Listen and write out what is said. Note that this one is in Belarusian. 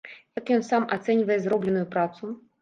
Як ён сам ацэньвае зробленую працу?